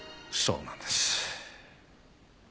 そうなんです。